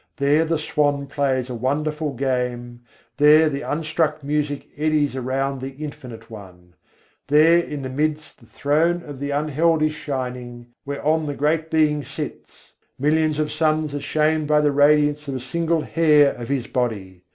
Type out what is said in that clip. There the swan plays a wonderful game, There the Unstruck Music eddies around the Infinite One; There in the midst the Throne of the Unheld is shining, whereon the great Being sits Millions of suns are shamed by the radiance of a single hair of His body.